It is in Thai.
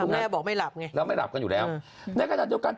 แม่บอกไม่หลับไงแล้วไม่หลับกันอยู่แล้วในขณะเดียวกัน